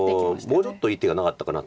もうちょっといい手がなかったかなと。